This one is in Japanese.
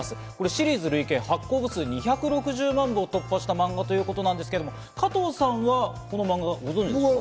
シリーズ累計発行部数２６０万部を突破したマンガということですが加藤さんはこのマンガ、ご存じですか？